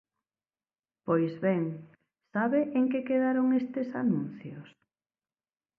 Pois ben, ¿sabe en que quedaron estes anuncios?